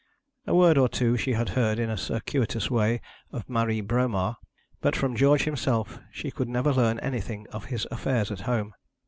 A word or two she had heard in a circuitous way of Marie Bromar, but from George himself she could never learn anything of his affairs at home.